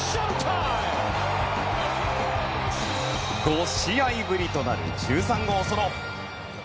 ５試合ぶりとなる１３号ソロ！